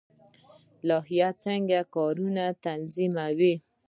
لایحه څنګه کارونه تنظیموي؟